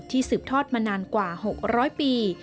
สืบทอดมานานกว่า๖๐๐ปี